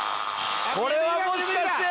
これはもしかして。